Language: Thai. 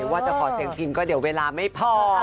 ว่าจะขอเสียงพินก็เดี๋ยวเวลาไม่พอ